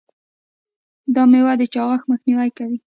دا میوه د چاغښت مخنیوی کوي.